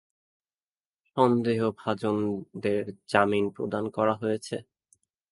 সন্দেহভাজনদের জামিন প্রদান করা হয়েছে।